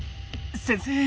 先生